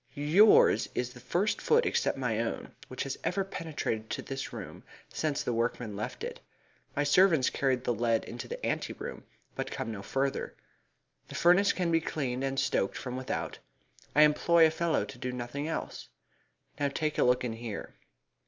"Yours is the first foot except my own which has ever penetrated to this room since the workmen left it. My servants carry the lead into the ante room, but come no further. The furnace can be cleaned and stoked from without. I employ a fellow to do nothing else. Now take a look in here."